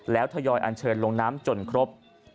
แล้วทยอยอันเชิญลงน้ำจนครบ